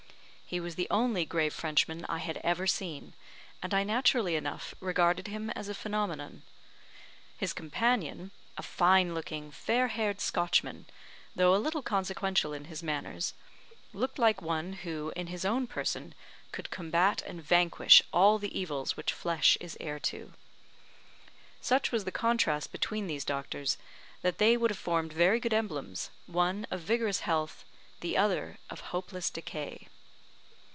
He was the only grave Frenchman I had ever seen, and I naturally enough regarded him as a phenomenon. His companion a fine looking fair haired Scotchman though a little consequential in his manners, looked like one who in his own person could combat and vanquish all the evils which flesh is heir to. Such was the contrast between these doctors, that they would have formed very good emblems, one, of vigorous health, the other, of hopeless decay.